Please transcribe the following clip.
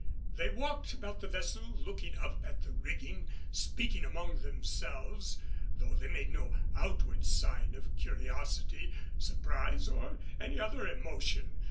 They walked about the vessel looking up at the rigging, speaking among themselves, though they made no outward sign of curiosity, surprise or any other emotion.